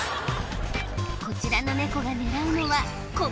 こちらのネコが狙うのはで